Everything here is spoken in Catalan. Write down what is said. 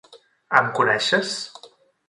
Em coneixes?